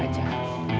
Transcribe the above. gak tau aja